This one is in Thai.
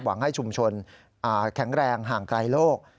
หวังให้ชุมชนแข็งแรงห่างไกลโลก